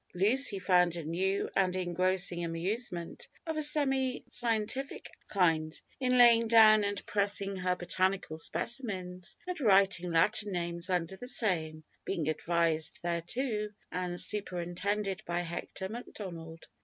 Lucy found a new and engrossing amusement, of a semi scientific kind, in laying down and pressing her botanical specimens, and writing Latin names under the same, being advised thereto and superintended by Hector Macdonald.